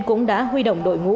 cũng đã huy động đội ngũ